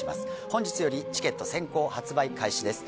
本日よりチケット先行発売開始です